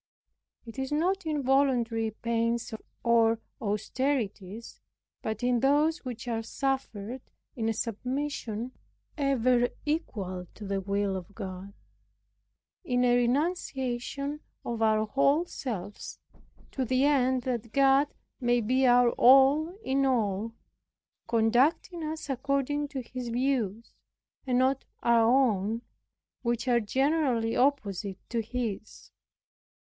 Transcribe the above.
It is not in voluntary pains or austerities, but in those which are suffered in a submission ever equal to the will of God, in a renunciation of our whole selves, to the end that God may be our all in all, conducting us according to His views, and not our own, which are generally opposite to His.